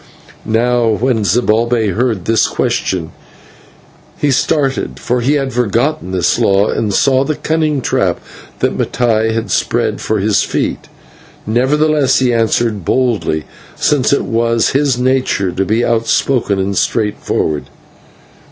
Now, when Zibalbay heard this question he started, for he had forgotten this law, and saw the cunning trap that Mattai had spread for his feet. Nevertheless he answered boldly, since it was his nature to be outspoken and straightforward.